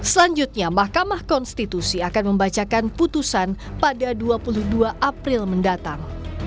selanjutnya mahkamah konstitusi akan membacakan putusan pada dua puluh dua april mendatang